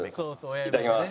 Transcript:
いただきます。